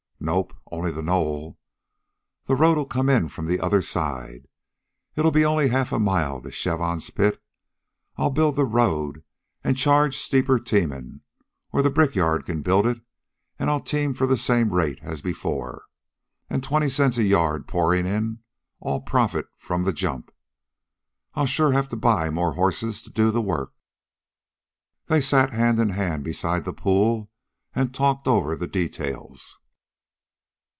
"Nope; only the knoll. The road'll come in from the other side. It'll be only half a mile to Chavon's pit. I'll build the road an' charge steeper teamin', or the brickyard can build it an' I'll team for the same rate as before. An' twenty cents a yard pourin' in, all profit, from the jump. I'll sure have to buy more horses to do the work." They sat hand in hand beside the pool and talked over the details.